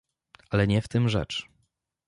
Ale nie w tym rzecz